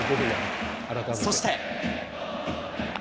そして。